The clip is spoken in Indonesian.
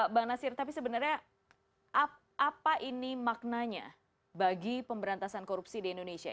bang nasir tapi sebenarnya apa ini maknanya bagi pemberantasan korupsi di indonesia